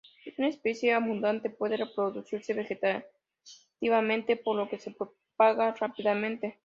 Es una especie abundante, puede reproducirse vegetativamente por lo que se propaga rápidamente.